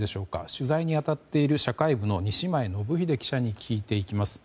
取材に当たっている社会部の西前信英記者に聞いていきます。